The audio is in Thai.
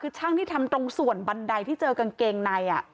คือช่างที่ทำตรงส่วนบันไดที่เจอกางเกงใน